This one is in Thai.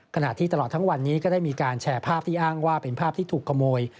ขณะที่ตลอดทั้งวันนี้ก็ได้มีการแชร์ภาพที่อ้างว่าเป็นภาพที่ถูกขโมย